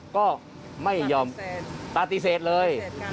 ก็ไม่ยอมปฏิเสธเลย